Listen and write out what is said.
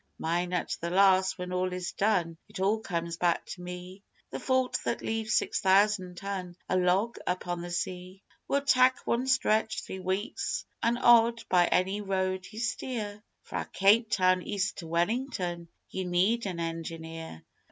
Mine at the last when all is done it all comes back to me, The fault that leaves six thousand ton a log upon the sea. We'll tak' one stretch three weeks an' odd by any road ye steer Fra' Cape Town east to Wellington ye need an engineer.